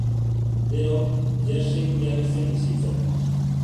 Gero, Jerseyn jarri zen bizitzen.